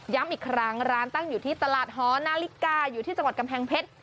อีกครั้งร้านตั้งอยู่ที่ตลาดหอนาฬิกาอยู่ที่จังหวัดกำแพงเพชร